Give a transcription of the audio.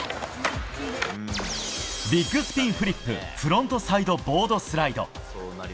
ビッグスピンフリップフロントサイドボードスライド。